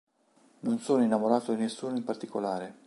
Non sono innamorato di nessuno in particolare".